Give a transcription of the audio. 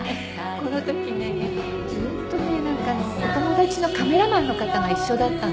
この時ねずっとねお友達のカメラマンの方が一緒だったんですよ。